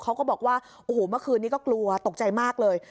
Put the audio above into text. เขาก็บอกว่าโอ้โหเมื่อคืนนี้ก็กลัวตกใจมากเลย